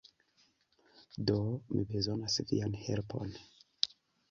Do, mi bezonas vian helpon.